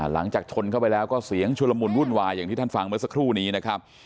หลังจากชนเข้าไปแล้วก็เสียงชุลมุนวุ่นวายอย่างที่ท่านฟังเมื่อสักครู่นี้นะครับ